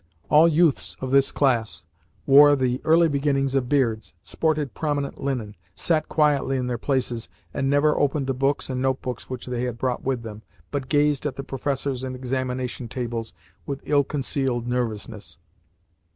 All youths of this class wore the early beginnings of beards, sported prominent linen, sat quietly in their places, and never opened the books and notebooks which they had brought with them, but gazed at the professors and examination tables with ill concealed nervousness.